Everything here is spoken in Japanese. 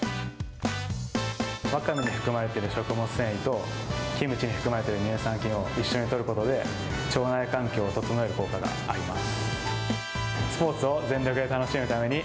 わかめに含まれている食物繊維と、キムチに含まれている乳酸菌を一緒にとることで、腸内環境を整える効果があります。